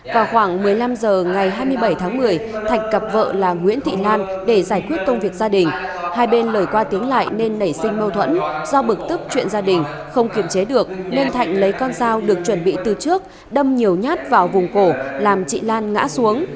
vào khoảng một mươi năm h ngày hai mươi bảy tháng một mươi thạch cặp vợ là nguyễn thị lan để giải quyết công việc gia đình hai bên lời qua tiếng lại nên nảy sinh mâu thuẫn do bực tức chuyện gia đình không kiểm chế được nên thạnh lấy con dao được chuẩn bị từ trước đâm nhiều nhát vào vùng cổ làm chị lan ngã xuống